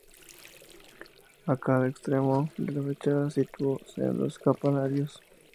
A cada extremo de la fachada situó sendos campanarios.